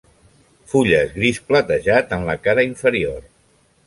Fulles gris platejat en la cara inferior.